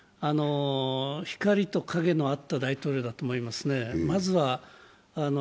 光と影のあった大統領だと思いますね。